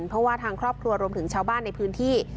เพราะว่าทางครอบครัวรวมถึงชาวบ้านในพื้นที่